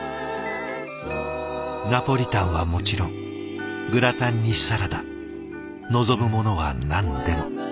ナポリタンはもちろんグラタンにサラダ望むものは何でも。